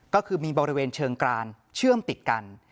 ก็คือมีบริเวณเชิงกรานเชื่อมติดกัน